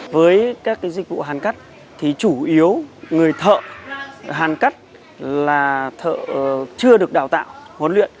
với các dịch vụ hàn cắt thì chủ yếu người thợ hàn cắt là thợ chưa được đào tạo huấn luyện